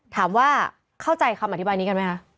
ถามว่าเข้าใจคำอธิบายนี้กันไหมคะ